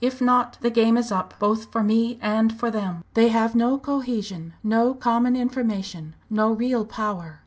If not the game is up, both for me and for them. They have no cohesion, no common information, no real power.